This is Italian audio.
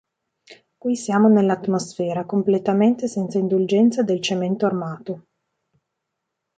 Qui siamo nell’atmosfera completamente senza indulgenza del cemento armato.